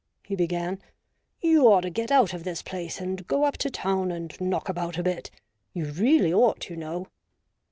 " he began, "you ought to get out of this place, and go up to town and knock about a bit — you really ought, you know."